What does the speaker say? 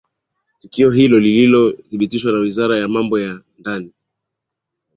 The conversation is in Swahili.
tukio hili lililo thibitisha na wizara ya mambo ya ndani